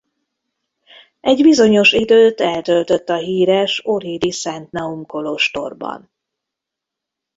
Egy bizonyos időt eltöltött a híres ohridi Szent Naum kolostorban.